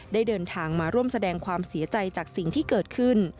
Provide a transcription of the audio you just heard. เดินทางมาร่วมแสดงความเสียใจจากสิ่งที่เกิดขึ้น